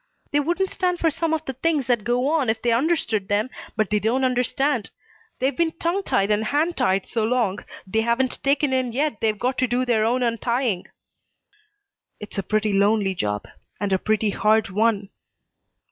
They wouldn't stand for some of the things that go on if they understood them, but they don't understand. They've been tongue tied and hand tied so long, they haven't taken in yet they've got to do their own untying." "It's a pretty lonely job and a pretty hard one."